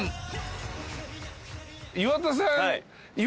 岩田さん。